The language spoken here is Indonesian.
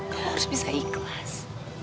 kamu harus bisa ikhlas